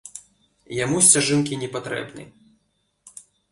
Яму сцяжынкі не патрэбны.